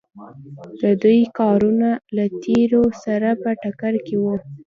د دوی کارونه له تیورۍ سره په ټکر کې وو.